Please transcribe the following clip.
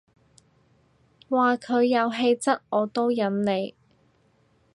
話佢有氣質我都忍你